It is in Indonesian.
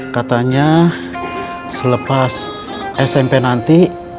katanya selepas smp nanti